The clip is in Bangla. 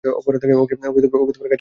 ওকে গাছের সাথে বেঁধে মারধর করে।